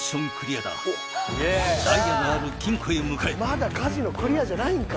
まだカジノクリアじゃないんか？